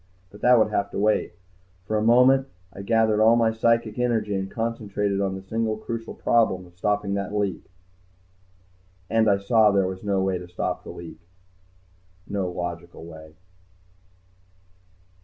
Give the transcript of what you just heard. But that would have to wait. For a moment I gathered all my psychic energy and concentrated on the single crucial problem of stopping that leak. And I saw that there was no way to stop the leak. No logical way.